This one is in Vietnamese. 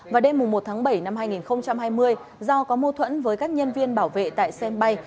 và đêm một tháng bảy năm hai nghìn hai mươi do có mô thuẫn với các nhân viên bảo vệ tại sense bay